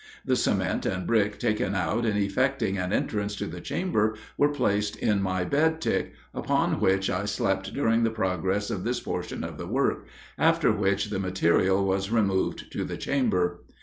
The cement and brick taken out in effecting an entrance to the chamber were placed in my bed tick, upon which I slept during the progress of this portion of the work, after which the material was removed to the chamber.